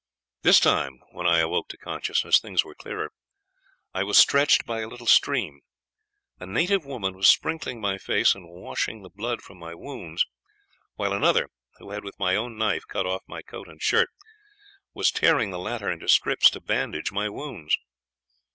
This time, when I awoke to consciousness, things were clearer. I was stretched by a little stream. A native woman was sprinkling my face and washing the blood from my wounds; while another, who had with my own knife cut off my coat and shirt, was tearing the latter into strips to bandage my wounds.